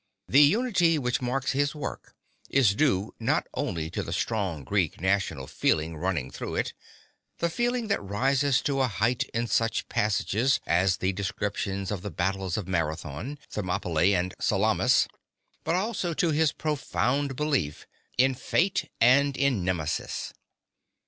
The unity which marks his work is due not only to the strong Greek national feeling running through it, the feeling that rises to a height in such passages as the descriptions of the battles of Marathon, Thermopylae, and Salamis, but also to his profound belief in Fate and in Nemesis.